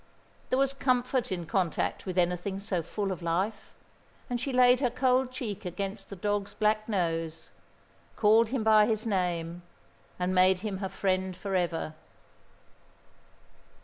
There was comfort in contact with anything so full of life; and she laid her cold cheek against the dog's black nose, called him by his name, and made him her friend for ever.